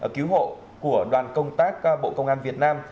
cứu hộ của đoàn công tác bộ công an việt nam